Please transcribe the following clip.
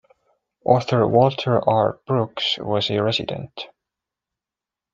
Author Walter R. Brooks was a resident.